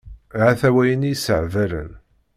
Hata wayen i y-issehbalen.